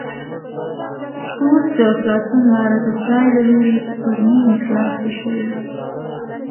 اوس د خلاصون لاره د خدای له لوري پر مينې خلاصه شوې